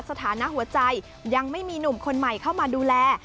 สถานะหัวใจยังไม่มีหนุ่มคนใหม่เข้ามาดูแล